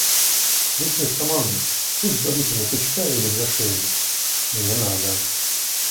Выслать команду: пусть дадут ему тычка или взашеину! – Не надо.